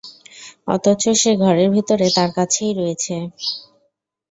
অথচ সে ঘরের ভিতরে তার কাছেই রয়েছে।